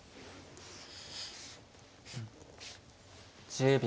１０秒。